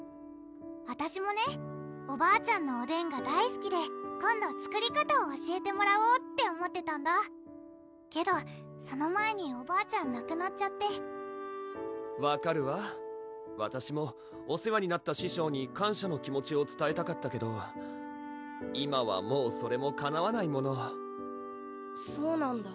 あたしもねおばあちゃんのおでんが大すきで今度作り方を教えてもらおうって思ってたんだけどその前におばあちゃんなくなっちゃって分かるわわたしもお世話になった師匠に感謝の気持ちをつたえたかったけど今はもうそれもかなわないものそうなんだ